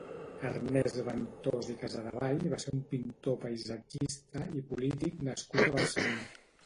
Ernest Ventós i Casadevall va ser un pintor paisatgista i polític nascut a Barcelona.